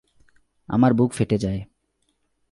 আমার বুক ফেটে যায়।